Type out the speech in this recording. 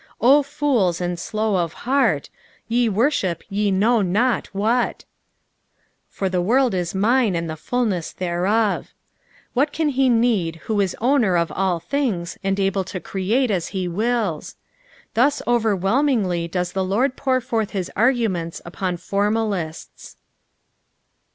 O fools and slow of heart, ;e worship je know not what I ".Pbr the toorld it mine, and the fvlnett thereof." What can be need who is owner of all things and able to create as he wilts t Thus overwhelmingly does the Lord pour forth his arguments upon formalists.